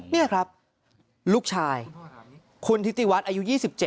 นี่ครับลูกชายคุณทิติวัฒน์อายุ๒๗